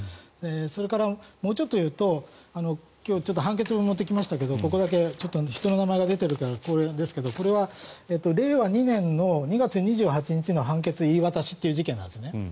それからもうちょっというと今日、判決文を持ってきましたがここだけ人の名前が出ているからあれですがこれは令和２年の２月２８日の判決言い渡しという事件なんですね。